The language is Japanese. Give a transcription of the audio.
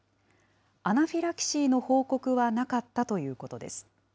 アナフィラキシーの報告はなかったということです。